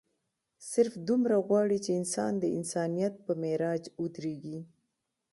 صرف دومره غواړي چې انسان د انسانيت پۀ معراج اودريږي